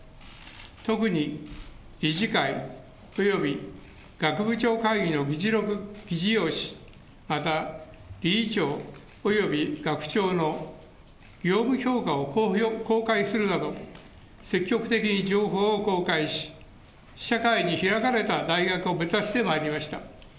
特に理事会および学部長会議の議事録、また理事長および学長の評価を公開するなど積極的に情報を公開し、社会に開かれた大学を目指してまいりました。